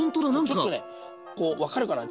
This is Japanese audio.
ちょっとねこう分かるかな？